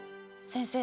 先生